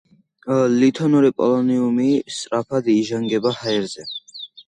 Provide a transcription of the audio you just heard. ლითონური პოლონიუმი სწრაფად იჟანგება ჰაერზე.